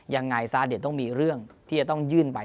ยังไงซาเดชต้องมีเรื่องที่จะต้องยื่นไป